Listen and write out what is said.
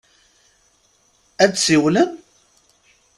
Ad d-siwlen?